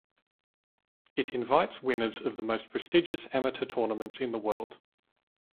It invites winners of the most prestigious amateur tournaments in the world.